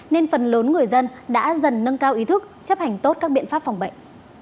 nên phần lớn người dân đã dần nâng cao ý thức chấp hành tốt các biện pháp phòng bệnh